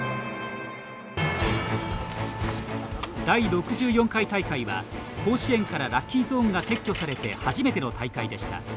第６４回大会は、甲子園からラッキーゾーンが撤去されて初めての大会でした。